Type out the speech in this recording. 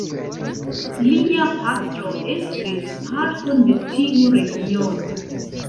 Lia patro estris parton de tiu regiono.